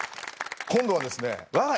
今度はですね